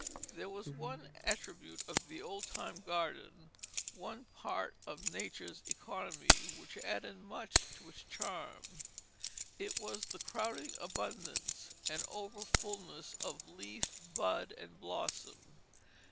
There was one attribute of the old time garden, one part of nature's economy, which added much to its charm it was the crowding abundance, the over fulness of leaf, bud, and blossom.